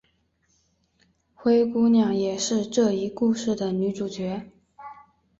灰姑娘也是这一故事的女主角。